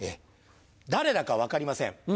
誰だか分かりません。